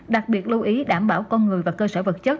đặc biệt lưu ý đảm bảo con người và cơ sở vật chất